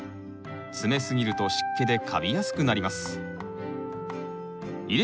詰め過ぎると湿気でかびやすくなります。